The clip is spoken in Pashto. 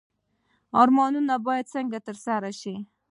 ارمانونه باید څنګه ترسره شي؟